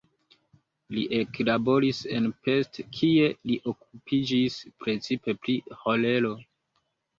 Li eklaboris en Pest, kie li okupiĝis precipe pri ĥolero.